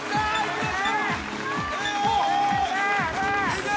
いけ！